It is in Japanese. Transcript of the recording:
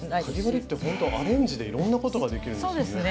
かぎ針ってほんとアレンジでいろんなことができるんですね。